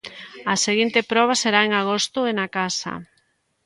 A seguinte proba será en agosto, e na casa.